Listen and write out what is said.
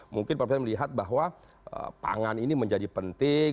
mungkin pak presiden melihat bahwa pangan ini menjadi penting